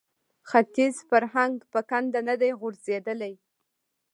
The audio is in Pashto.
ختیز فرهنګ په کنده نه دی غورځېدلی